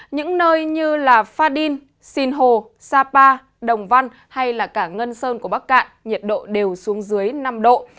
những nơi như pha đin sinh hồ sapa đồng văn hay là cả ngân sơn của bắc cạn nhiệt độ đều xuống dưới năm độ